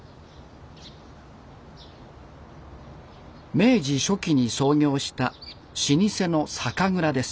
明治初期に創業した老舗の酒蔵です。